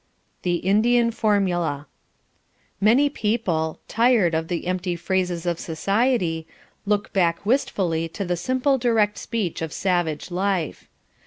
The Indian Formula Many people, tired of the empty phrases of society, look back wistfully to the simple direct speech of savage life.